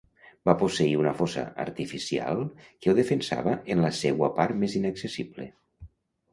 Va posseir una fossa artificial que ho defensava en la seua part més inaccessible.